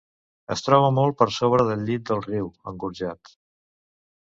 Es troba molt per sobre del llit del riu, engorjat.